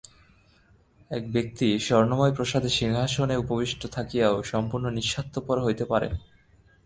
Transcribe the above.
এক ব্যক্তি স্বর্ণময় প্রাসাদে সিংহাসনে উপবিষ্ট থাকিয়াও সম্পূর্ণ নিঃস্বার্থপর হইতে পারেন।